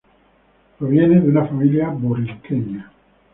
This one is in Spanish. Proviene de una familia puertorriqueña.